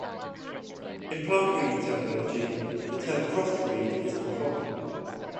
In plant breeding terminology, the term "crossbreed" is uncommon.